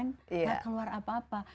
nggak keluar apa apa